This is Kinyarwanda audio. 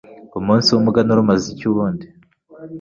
umunsi w’umuganura umaze iki ubundi